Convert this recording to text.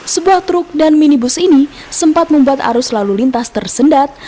sebuah truk dan minibus ini sempat membuat arus lalu lintas tersendat